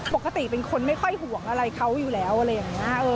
ปกติเป็นคนไม่ค่อยห่วงอะไรเขาอยู่แล้วอะไรอย่างนี้